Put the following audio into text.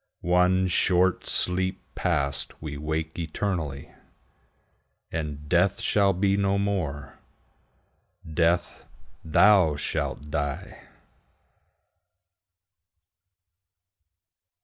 One short sleep past, we wake eternally, And Death shall be no more: Death, thou shalt die!